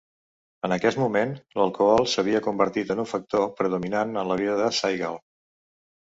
En aquest moment, l'alcohol s'havia convertit en un factor predominant en la vida de Saigal.